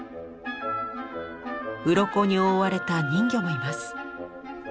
うろこに覆われた人魚もいます。